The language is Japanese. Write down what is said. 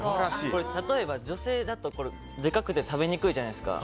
例えば、女性だとでかくて食べにくいじゃないですか。